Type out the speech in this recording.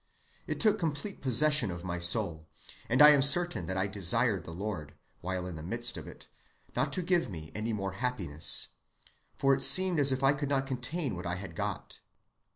It took complete possession of my soul, and I am certain that I desired the Lord, while in the midst of it, not to give me any more happiness, for it seemed as if I could not contain what I had got.